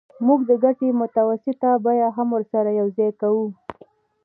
موږ د ګټې متوسطه بیه هم ورسره یوځای کوو